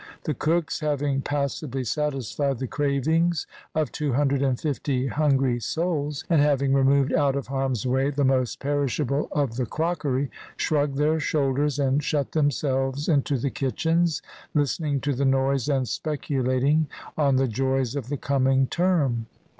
The cooks, having passably satisfied the cravings of two hundred and fifty hungry souls, and having removed out of harm's way the most perishable of the crockery, shrugged their shoulders and shut themselves into the kitchens, listening to the noise and speculating on the joys of the coming term.